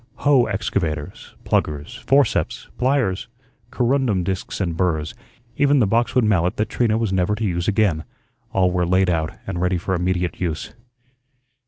"Hoe" excavators, pluggers, forceps, pliers, corundum disks and burrs, even the boxwood mallet that Trina was never to use again, all were laid out and ready for immediate use.